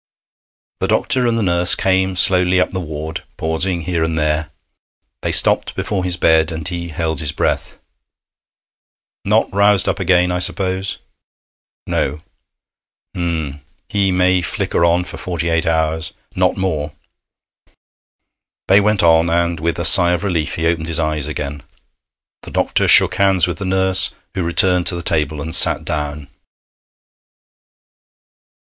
The doctor and the nurse came slowly up the ward, pausing here and there. They stopped before his bed, and he held his breath. 'Not roused up again, I suppose?' 'No.' 'H'm! He may flicker on for forty eight hours. Not more.' They went on, and with a sigh of relief he opened his eyes again. The doctor shook hands with the nurse, who returned to the table and sat down.